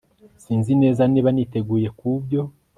Sinzi neza niba niteguye kubyo